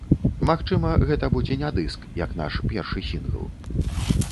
Магчыма, гэта будзе не дыск, як наш першы сінгл.